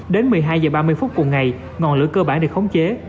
đến một mươi hai h ba mươi phút cùng ngày ngọn lửa cơ bản được khống chế